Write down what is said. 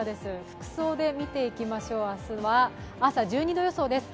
服装で見ていきましょう、明日は朝１２度予想です。